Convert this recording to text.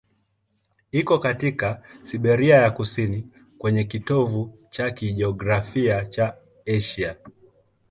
Iko katika Siberia ya kusini, kwenye kitovu cha kijiografia cha Asia.